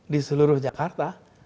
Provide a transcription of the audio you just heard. di seluruh jakarta